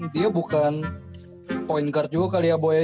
dia bukan point guard juga kali ya boya